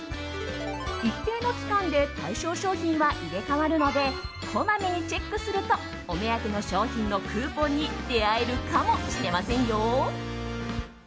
一定の期間で対象商品は入れ替わるのでこまめにチェックするとお目当ての商品のクーポンに出会えるかもしれませんよ。